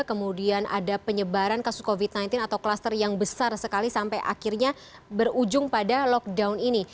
kemudian ada penyebaran kasus covid sembilan belas atau kluster yang besar sekali sampai akhirnya berujung pada lockdown ini